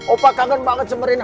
opa kangen banget sama rena